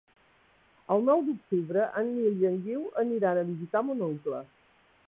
El nou d'octubre en Nil i en Guiu aniran a visitar mon oncle.